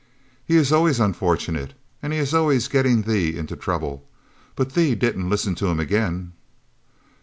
"He is always unfortunate, and he is always getting thee into trouble. But thee didn't listen to him again?"